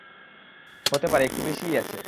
হতে পারে, একটু বেশিই আছে।